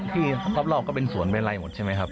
ที่รอบรอบก็เป็นสวนเป็นอะไรหมดใช่มั้ยครับ